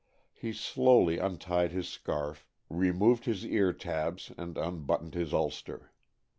He slowly untied his scarf, removed his ear tabs and unbuttoned his ulster.